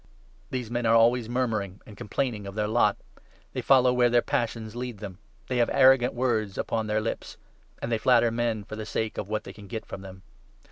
' These men are always murmuring, and complaining of their 16 lot ; they follow where their passions lead them ; they have arrogant words upon their lips ; and they flatter men for the sake of what they can get from them.